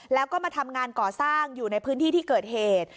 แล้วก็มาทำงานก่อสร้างอยู่ในพื้นที่ที่เกิดเหตุ